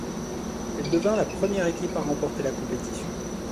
Elle devint la première équipe à remporter la compétition.